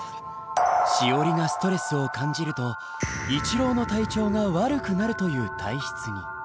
しおりがストレスを感じると一郎の体調が悪くなるという体質に。